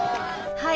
はい。